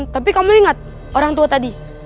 tapi kamu ingat orang tua tadi